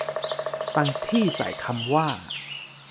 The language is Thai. บางที่ใส่คำว่า